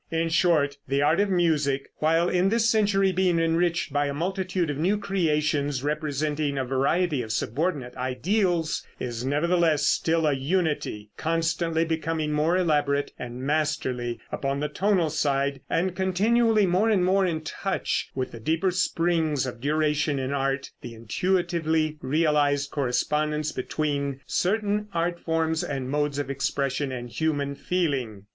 In short, the art of music, while in this century being enriched by a multitude of new creations representing a variety of subordinate ideals, is nevertheless still a unity, constantly becoming more elaborate and masterly upon the tonal side, and continually more and more in touch with the deeper springs of duration in art, the intuitively realized correspondence between certain art forms and modes of expression and human feeling.